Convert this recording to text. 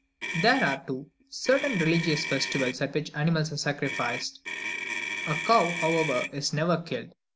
There are, too, certain religious festivals, at which animals are sacrificed. A cow, however, is never killed.